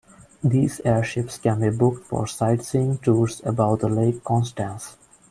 These airships can be booked for sightseeing tours above the Lake Constance.